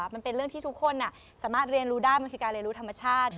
มันเป็นเรื่องที่ทุกคนสามารถเรียนรู้ได้มันคือการเรียนรู้ธรรมชาติ